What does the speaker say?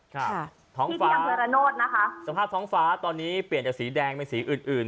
ที่จะหน้าเป็นห่วงนะคะท้องฟ้าสภาพท้องฟ้าตอนนี้เปลี่ยนจากสีแดงเป็นสีอื่น